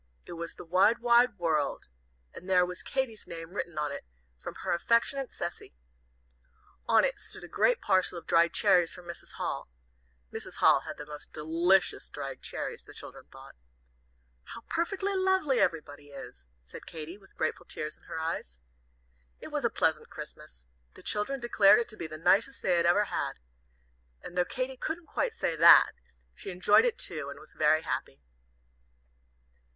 It was "The Wide Wide World" and there Was Katy's name written on it, 'from her affectionate Cecy.' On it stood a great parcel of dried cherries from Mrs. Hall. Mrs. Hall had the most delicious dried cherries, the children thought. "How perfectly lovely everybody is!" said Katy, with grateful tears in her eyes. That was a pleasant Christmas. The children declared it to be the nicest they had ever had. And though Katy couldn't quite say that, she enjoyed it too, and was very happy.